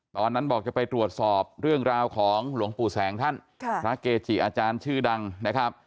ตอนนั้นบอกจะไปตรวจสอบเรื่องราวของหลวงปู่แสงท่านพระเกจิอาจารย์ชื่อดังนะครับ